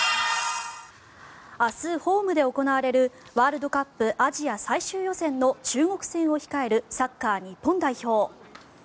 明日、ホームで行われるワールドカップアジア最終予選の中国戦を控えるサッカー日本代表。